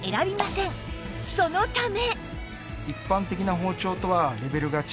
そのため